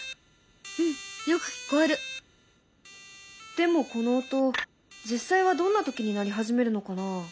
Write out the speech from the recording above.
でもこの音実際はどんな時に鳴り始めるのかな？